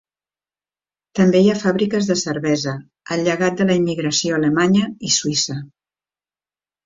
També hi ha fàbriques de cervesa, el llegat de la immigració alemanya i suïssa.